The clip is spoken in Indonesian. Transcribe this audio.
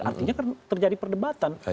artinya kan terjadi perdebatan